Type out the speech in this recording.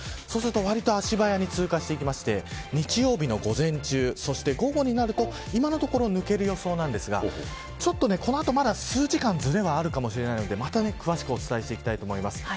わりと足早に通過していって日曜日の午前中そして午後になると今のところ抜ける予想なんですがこの後まだ数時間ずれはあるかもしれないのでまた詳しくお伝えしていきたいと思います。